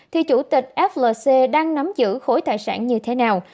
thì chủ tịch flc đang nắm giữ khối tài sản như thế nào